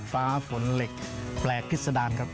ฟ้าฝนเหล็กแปลกพิษดารครับ